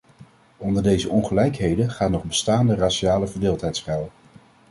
Onder deze ongelijkheden gaat nog bestaande raciale verdeeldheid schuil.